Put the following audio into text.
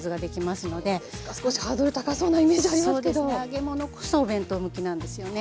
揚げ物こそお弁当向きなんですよね。